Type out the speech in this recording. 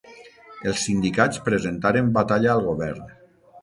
Els sindicats presentaren batalla al govern.